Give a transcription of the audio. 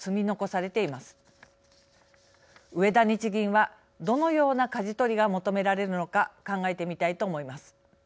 植田日銀はどのようなかじ取りが求められるのか考えてみたいと思います。